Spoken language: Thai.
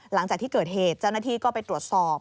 หลังจากที่เกิดเหตุเจ้าหน้าที่ก็ไปตรวจสอบ